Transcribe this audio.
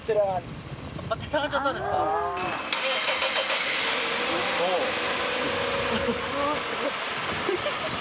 はい。